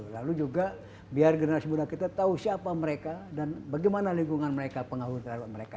lalu juga biar generasi muda kita tahu siapa mereka dan bagaimana lingkungan mereka pengaruh terhadap mereka